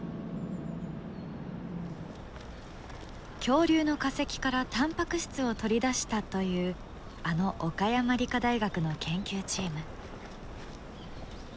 恐竜の化石からタンパク質を取り出したというあの岡山理科大学の研究チーム。